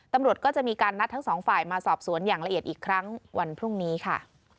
ตำรวจก็จะมีการนัดทั้งสองฝ่ายมาสอบสวนอย่างละเอียดอีกครั้งวันพรุ่งนี้ค่ะ